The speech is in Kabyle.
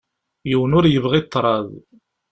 Yiwen ur yebɣi ṭṭraḍ.